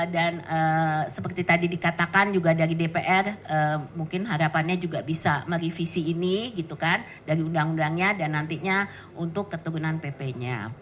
dan seperti tadi dikatakan juga dari dpr mungkin harapannya juga bisa merevisi ini gitu kan dari undang undangnya dan nantinya untuk keturunan ppnya